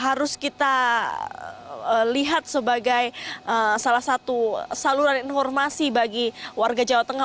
harus kita lihat sebagai salah satu saluran informasi bagi warga jawa tengah